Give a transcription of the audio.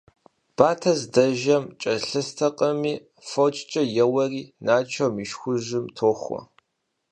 Батэ здэжэм кӀэлъыстэкъыми, фочкӀэ йоуэри Начом и шхужьым тохуэ.